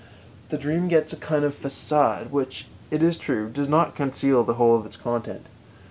The dream gets a kind of façade which, it is true, does not conceal the whole of its content.